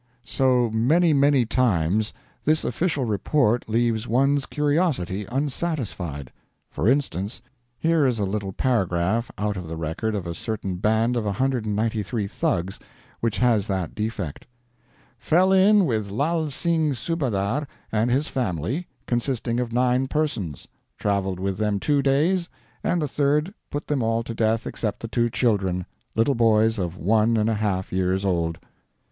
] So many many times this Official Report leaves one's curiosity unsatisfied. For instance, here is a little paragraph out of the record of a certain band of 193 Thugs, which has that defect: "Fell in with Lall Sing Subahdar and his family, consisting of nine persons. Traveled with them two days, and the third put them all to death except the two children, little boys of one and a half years old."